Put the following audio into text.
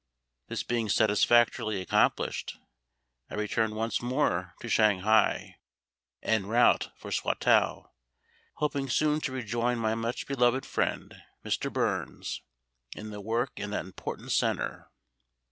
This being satisfactorily accomplished, I returned once more to Shanghai, en route for Swatow, hoping soon to rejoin my much loved friend, Mr. Burns, in the work in that important centre.